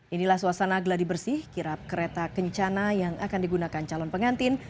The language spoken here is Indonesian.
inilah suasana gladi bersih kirap kereta kencana yang akan digunakan calon pengantin